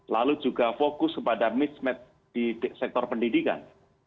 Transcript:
lalu juga fokus kepada mismatch di sektor pendidikan